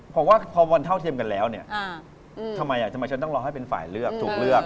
เพราะว่าพอวันเท่าเทียมกันแล้วเนี่ยทำไมฉันต้องรอให้เป็นฝ่ายเลือกถูกเลือก